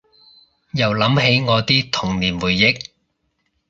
又諗起我啲童年回憶